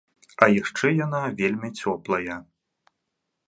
А яшчэ яна вельмі цёплая.